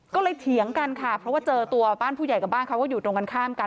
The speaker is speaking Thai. ก็เลยเถียงกันค่ะเพราะว่าเจอตัวบ้านผู้ใหญ่กับบ้านเขาก็อยู่ตรงกันข้ามกัน